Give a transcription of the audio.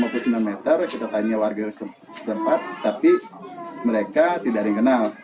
kita tanya warga setempat tapi mereka tidak dikenal